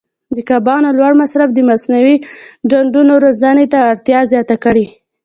د کبانو لوړ مصرف د مصنوعي ډنډونو روزنې ته اړتیا زیاته کړې.